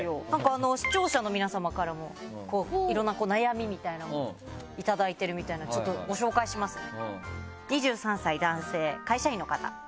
視聴者の皆さまからもいろんな悩みみたいなものを頂いてるみたいなんでちょっとご紹介しますね。